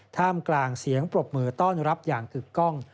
ท่ามกลางเสียงปรบมือต้อนรับอย่างกึกกล้อง